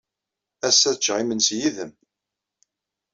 Ass-a, ad ččeɣ imensi yid-m.